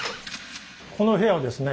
この部屋はですね